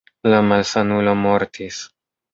La malsanulo mortis.